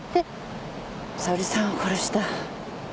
沙織さんを殺した。